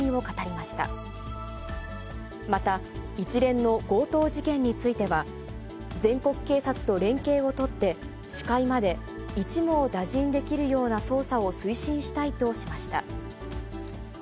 また一連の強盗事件については、全国警察と連携を取って、首魁まで一網打尽できるような捜査を推進したいとしました。